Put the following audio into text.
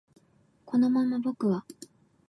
このまま僕は